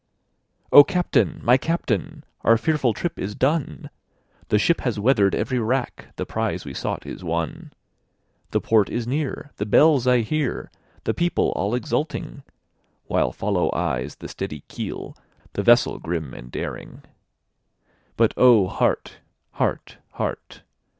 O CAPTAIN! my Captain! our fearful trip is done, The ship has weather'd every rack, the prize we sought is won, The port is near, the bells I hear, the people all exulting, While follow eyes the steady keel, the vessel grim and daring; But O heart! heart! heart!